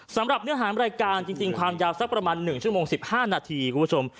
สำหรับเนื้อหารายการจริงความยาวสักประมาณ๑ชั่วโมง๑๕นาทีคุณผู้ชม